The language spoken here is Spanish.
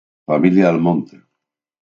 Familia Almonte